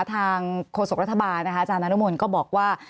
โฆษกรัฐบาลนะคะอาจารย์นานุมลก็บอกว่า